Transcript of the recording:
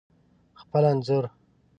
خپل انځور